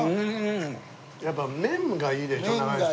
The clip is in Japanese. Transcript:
やっぱ麺がいいでしょ中西さん。